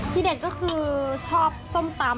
เด็ดก็คือชอบส้มตำ